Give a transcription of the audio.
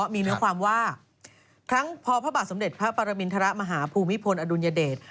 มีเนื้อความว่าครั้งพอพระบาทสมเด็จพระปรมินทรมาฮภูมิพลอดุลยเดช